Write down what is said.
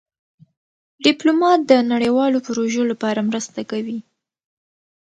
ډيپلومات د نړیوالو پروژو لپاره مرسته کوي.